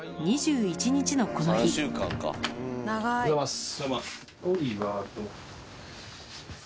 この日おはようございます。